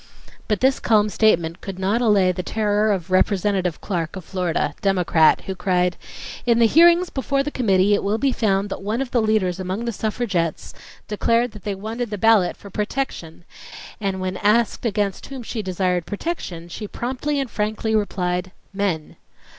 ." But this calm statement could not allay the terror of Representative Clark of Florida, Democrat, who cried: "In the hearings before the committee it will be found that one of the leaders among the suffragettes declared that they wanted the ballot for 'protection', and when asked against whom she desired 'protection' she promptly and frankly replied, 'men.